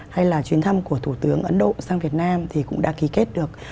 hay là chuyến thăm của thủ tướng ấn độ sang việt nam thì cũng đã ký kết được